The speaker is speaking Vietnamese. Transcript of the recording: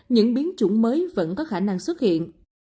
những biến chủng mới vẫn có khả năng xuất hiện